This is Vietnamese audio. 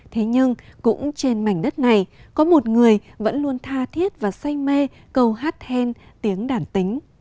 thế nhưng cũng trên mảnh đất này có một người vẫn luôn tha thiết và say mê câu hát hèn tiếng đản tính